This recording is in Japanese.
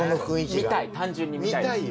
見たい単純に見たい。